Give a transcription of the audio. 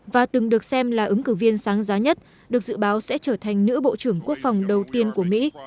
và từng được xem là ứng cử viên sáng giá nhất được dự báo sẽ trở thành nữ bộ trưởng quốc phòng đầu tiên của mỹ